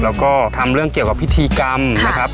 แล้วก็ทำเรื่องเกี่ยวกับพิธีกรรมนะครับ